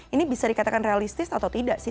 ini bisa dikatakan realistis atau tidak sih